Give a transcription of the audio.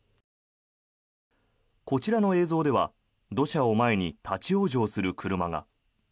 こちらの映像では土砂を前に立ち往生する車が。